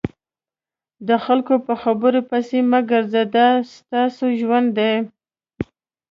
د خلکو په خبرو پسې مه ګرځه دا ستاسو ژوند دی.